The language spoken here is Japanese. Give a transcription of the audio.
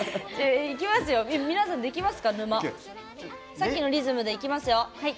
さっきのリズムでいきますよ。